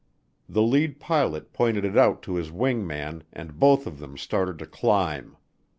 The lead pilot pointed it out to his wing man and both of them started to climb.